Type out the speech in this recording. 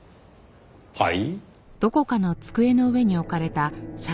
はい？